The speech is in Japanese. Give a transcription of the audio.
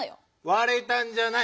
「われた」んじゃない。